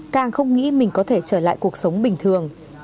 càng không nghĩ mình có thể trở lại cuộc sống bình thường